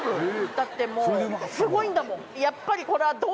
だってもうすごいんだもん